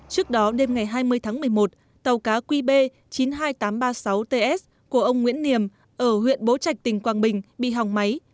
trước đó đêm ngày hai mươi tháng một mươi một tàu cá qb chín mươi hai nghìn tám trăm ba mươi sáu ts của ông nguyễn niềm ở huyện bố trạch tỉnh quảng bình bị hỏng máy